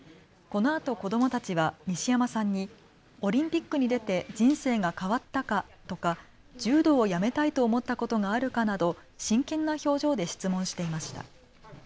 このあと、子どもたちは西山さんに、オリンピックに出て人生が変わったか、とか柔道を辞めたいと思ったことがあるかなど真剣な表情で質問していました。